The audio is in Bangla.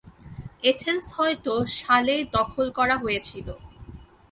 এথেন্স হয়তো সালে দখল করা হয়েছিল।